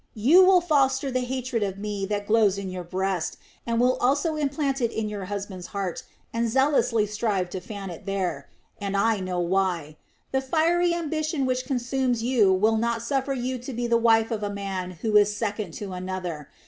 You will foster the hatred of me that glows in your breast, and will also implant it in your husband's heart and zealously strive to fan it there. And I know why. The fiery ambition which consumes you will not suffer you to be the wife of a man who is second to any other.